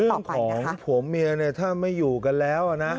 เรื่องของผัวเมียเนี่ยถ้าไม่อยู่กันแล้วนะ